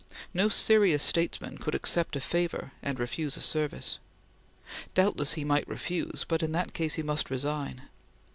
No serious statesman could accept a favor and refuse a service. Doubtless he might refuse, but in that case he must resign.